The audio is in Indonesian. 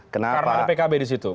karena ada pkb di situ